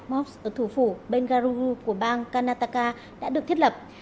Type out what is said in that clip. mobs ở thủ phủ bengaluru của bang karnataka đã được thiết lập